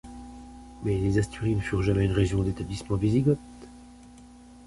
Mais les Asturies ne furent jamais une région d'établissement wisigoth.